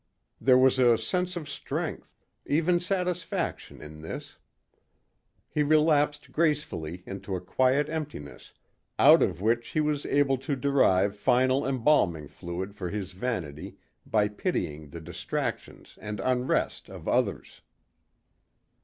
There was a sense of strength, even satisfaction in this. He relapsed gracefully into a quiet emptiness out of which he was able to derive final embalming fluid for his vanity by pitying the distractions and unrest of others.